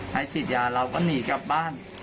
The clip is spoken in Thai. ให้ฉีดยาเราก็หนีกลับบ้าน